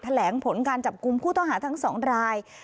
แหลงผลการจับกลุ่มผู้ต้องหาทั้ง๒ราย